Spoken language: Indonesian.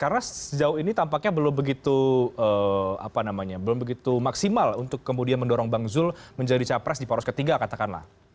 karena sejauh ini tampaknya belum begitu maksimal untuk kemudian mendorong bang zul menjadi capres di poros ketiga katakanlah